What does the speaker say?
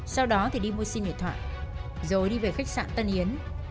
sau đó thì đi mua sim điện thoại rồi đi về khách sạn tân yến